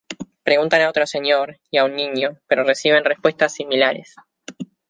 Preguntan a otro señor, y a un niño, pero reciben respuestas similares.